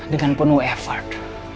dengan penuh effort